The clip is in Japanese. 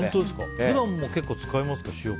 普段も結構使いますか？